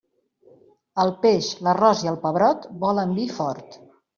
El peix, l'arròs i el pebrot volen vi fort.